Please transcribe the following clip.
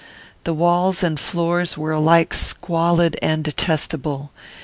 The walls and floors were alike squalid and detestable.